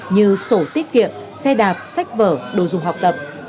như sổ tiết kiệm xe đạp sách vở đồ dùng học tập